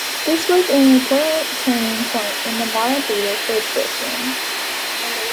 This was an important turning point in modern theatre for Britain.